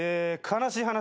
「悲しい話」